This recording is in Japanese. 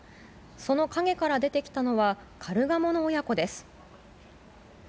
その陰から出てきたのは、カルガモの親子です。